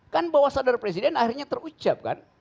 kan bahwa sadar presiden akhirnya terucap kan